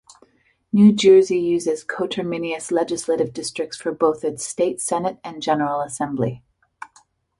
New Jersey uses coterminous legislative districts for both its State Senate and General Assembly.